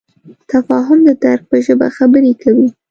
تفاهم د درک په ژبه خبرې کوي.